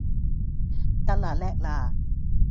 得啦叻啦